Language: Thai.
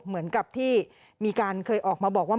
เหมือนกับที่มีการเคยออกมาบอกว่า